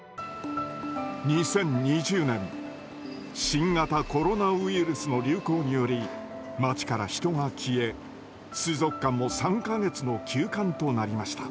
新型コロナウイルスの流行により街から人が消え水族館も３か月の休館となりました。